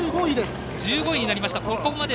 １５位になりました。